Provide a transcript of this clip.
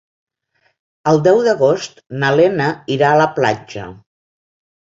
El deu d'agost na Lena irà a la platja.